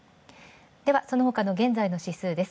ではそのほかの現在の指数です。